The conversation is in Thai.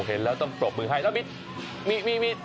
เห็นแล้วต้องปรบมือให้มีต่อตัว